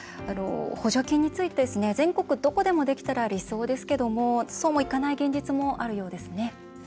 補助金について全国どこでもできたら理想ですけども、そうもいかない現実もあるようですね。